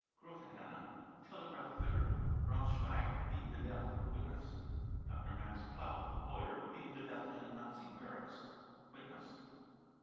grotohenne, telegraph fitter, Braunschweig, beaten to death. (Witness.) dr. max plaut, lawyer, beaten to death in a Nazi barracks. (Witness.)